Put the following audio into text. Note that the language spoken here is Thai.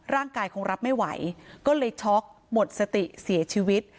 ร่างกายคงรับไม่ไหวก็เลยช็อกหมดสติเสียชีวิต